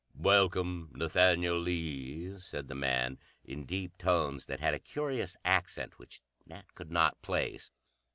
"Welcome, Nathaniel Lee," said the man, in deep tones that had a curious accent which Nat could not place.